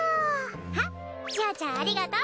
あっちあちゃんありがとう！